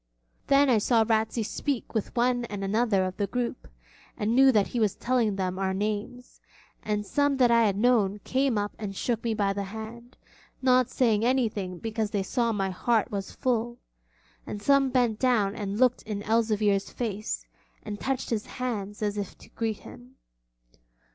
Then I saw Ratsey speak with one and another of the group, and knew that he was telling them our names; and some that I had known came up and shook me by the hand, not saying anything because they saw my heart was full; and some bent down and looked in Elzevir's face, and touched his hands as if to greet him.